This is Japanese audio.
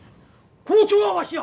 校長はわしや。